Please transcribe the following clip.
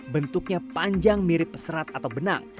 bentuknya panjang mirip serat atau benang